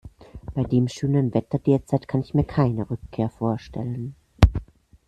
Bei dem schönen Wetter derzeit kann ich mir keine Rückkehr vorstellen.